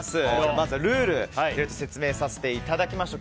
まずルールを説明させていただきましょう。